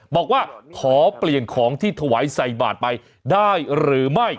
บอกว่าขอเปลี่ยนของที่ถวายใส่บาทไปได้หรือไม่